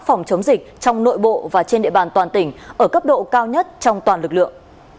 phòng chống dịch trong nội bộ và trên địa bàn toàn tỉnh ở cấp độ cao nhất trong toàn lực lượng